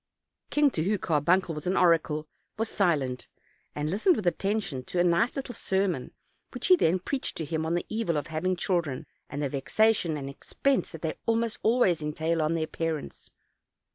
The king, to whom Carbuncle was an oracle, was silent, and listened with attention to a nice little sermon which he then preached to him on the evil of having chil dren, and the vexation and expense that they almost always entail on their parents.